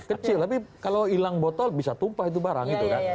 kecil tapi kalau hilang botol bisa tumpah itu barang gitu kan